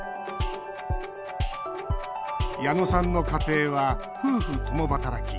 矢野さんの家庭は夫婦共働き。